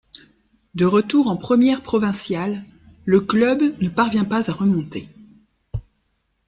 De retour en première provinciale, le club ne parvient pas à remonter.